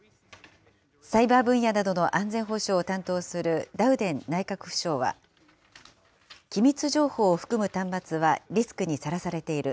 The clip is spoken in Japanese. サイバー分野などの安全保障を担当するダウデン内閣府相は、機密情報を含む端末はリスクにさらされている。